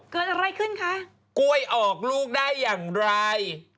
เกิดอะไรขึ้นคะกล้วยออกลูกได้อย่างไร